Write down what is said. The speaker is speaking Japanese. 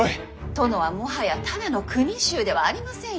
殿はもはやただの国衆ではありませんよ。